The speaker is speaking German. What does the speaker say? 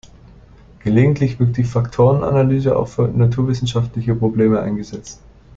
Gelegentlich wird die Faktorenanalyse auch für naturwissenschaftliche Probleme eingesetzt.